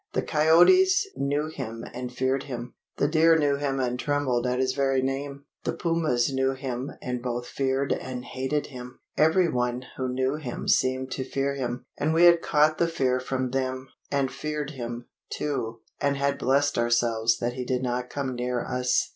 The coyotes knew him and feared him; the deer knew him and trembled at his very name; the pumas knew him and both feared and hated him. Everyone who knew him seemed to fear him, and we had caught the fear from them, and feared him, too, and had blessed ourselves that he did not come near us.